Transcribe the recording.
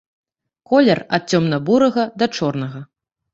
Колер ад цёмна-бурага да чорнага.